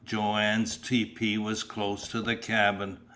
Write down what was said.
Joanne's tepee was close to the cabin.